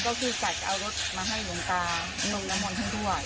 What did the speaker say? ก็คือจัดเอารถมาให้หลวงตาหลวงละม่อนทั้งด้วย